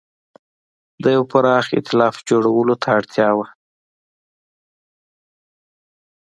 د یوه پراخ اېتلاف جوړولو ته اړتیا وه.